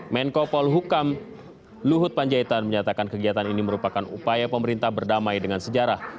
menko polhukam luhut panjaitan menyatakan kegiatan ini merupakan upaya pemerintah berdamai dengan sejarah